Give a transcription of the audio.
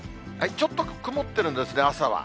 ちょっと曇ってるんですね、朝は。